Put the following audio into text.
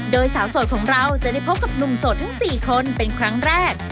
โดยสาวโสดของเราจะได้พบกับหนุ่มโสดทั้ง๔คนเป็นครั้งแรก